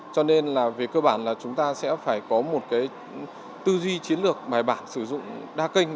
cho nên là về cơ bản là chúng ta sẽ phải có một cái tư duy chiến lược bài bản sử dụng đa kênh